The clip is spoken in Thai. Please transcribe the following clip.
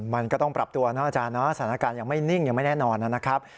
มันก็ต้องปรับตัวนะอาจารย์เนาะสถานการณ์ยังไม่นิ่งยังไม่แน่นอนนะครับ